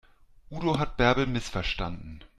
Udo hat Bärbel missverstanden.